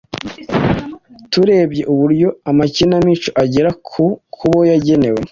Turebye uburyo amakinamico agera ku bo yagenewe,